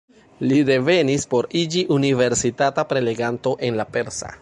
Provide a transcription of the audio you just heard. Li revenis por iĝi universitata preleganto en la persa.